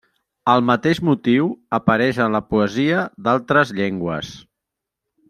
El mateix motiu apareix en la poesia d'altres llengües.